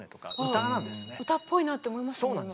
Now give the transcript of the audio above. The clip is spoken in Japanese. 歌っぽいなって思いましたもん。